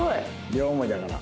両思いだから。